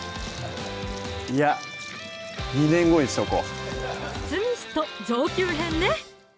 いや２年後にしとこう包みスト上級編ね